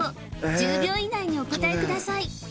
１０秒以内にお答えください